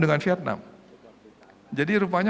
dengan vietnam jadi rupanya